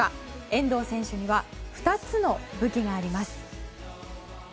遠藤選手には２つの武器があります。